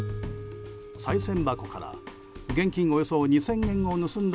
さい銭箱から現金およそ２０００円を盗んだ